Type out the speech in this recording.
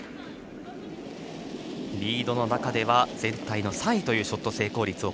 リードの中では全体の３位というショット成功率